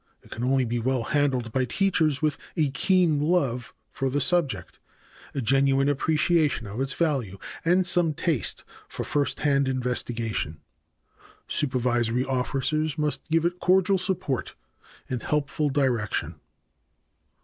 It can only be well handled by teachers with a keen love for the subject, a genuine appreciation of its value and some taste for first hand investigation. Supervisory officers must give it cordial support and helpful direction.